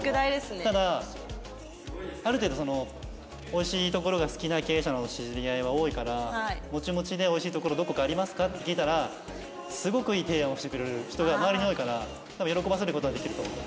ただある程度その美味しいところが好きな経営者の知り合いは多いからモチモチで美味しいところどこかありますか？って聞いたらすごくいい提案をしてくれる人が周りに多いから多分喜ばせる事はできると思う。